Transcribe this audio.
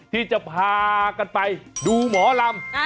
ที่จะพากันไปดูหมอลำ